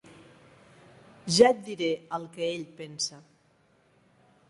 Ja et diré el que ell pensa.